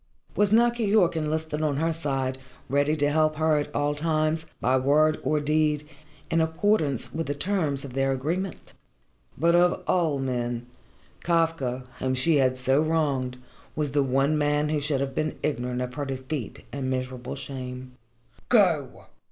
Was not Keyork enlisted on her side, ready to help her at all times, by word or deed, in accordance with the terms of their agreement? But of all men Kafka, whom she had so wronged, was the one man who should have been ignorant of her defeat and miserable shame. "Go!"